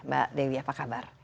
mbak dewi apa kabar